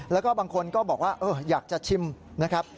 แล้วก็บางคนก็บอกว่าอยากจะชิมนะครับ